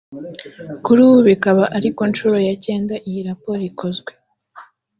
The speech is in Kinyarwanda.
kuri ubu bikaba ari ku nshuro ya cyenda iyi raporo ikozwe